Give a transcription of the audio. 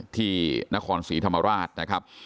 ที่นครศรีธรรมราช